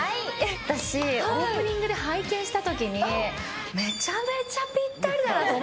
私、オープニングで拝見したときに、めちゃめちゃぴったりだなと